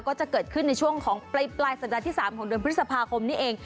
ก็จะเกิดขึ้นในช่วงของปลายสัปดาห์ที่๓ของเดือนพฤษภาคมนี้เอง